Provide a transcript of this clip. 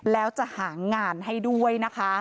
แล้วจะหางานให้ด้วยนะคะ